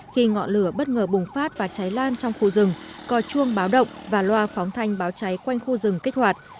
khi ngọn lửa bất ngờ bùng phát và cháy lan trong khu rừng cò chuông báo động và loa phóng thanh báo cháy quanh khu rừng kích hoạt